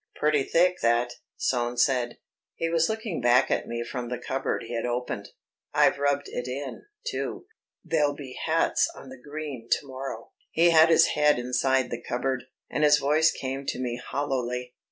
"Pretty thick that," Soane said. He was looking back at me from the cupboard he had opened. "I've rubbed it in, too ... there'll be hats on the green to morrow." He had his head inside the cupboard, and his voice came to me hollowly.